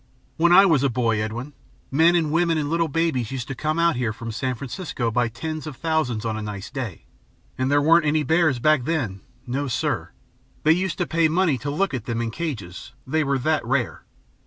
When I was a boy, Edwin, men and women and little babies used to come out here from San Francisco by tens of thousands on a nice day. And there weren't any bears then. No, sir. They used to pay money to look at them in cages, they were that rare."